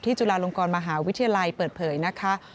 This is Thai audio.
จุฬาลงกรมหาวิทยาลัยเปิดเผยนะคะ